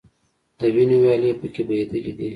د وینو ویالې په کې بهیدلي دي.